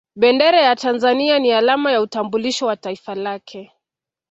Bendera ya Tanzania ni alama ya utambulisho wa Taifa lake